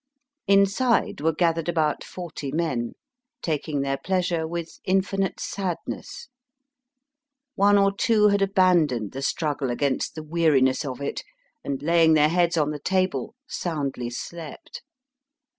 Inside were gathered about forty men, taking their pleasure with infinite sadness. One or two had abandoned the struggle against the weariness of it, and, laying their heads on the table, soundly slept.